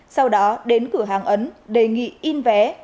sau đó đến cửa hàng ấn đề nghị in vé